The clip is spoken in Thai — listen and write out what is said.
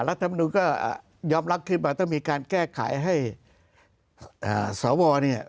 รัฐมนุนก็ยอมรับขึ้นมาต้องมีการแก้ไขให้สวเนี่ย